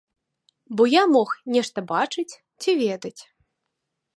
Бо я мог нешта бачыць ці ведаць.